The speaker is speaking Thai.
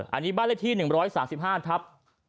อันนี้บ้านเลขที่๑๓๕ทับ